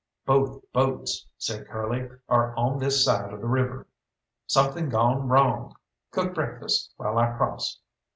"Both boats," said Curly, "are on this side of the river something gawn wrong. Cook breakfast while I cross."